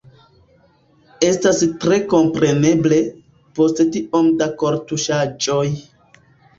Estas tre kompreneble, post tiom da kortuŝaĵoj.